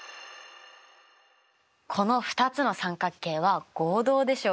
この２つの三角形は合同でしょうか？